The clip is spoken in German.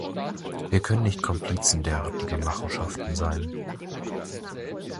Wir können nicht Komplizen derartiger Machenschaften sein.